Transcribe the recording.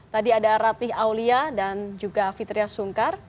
tadi ada ratih aulia dan juga fitriah sungkar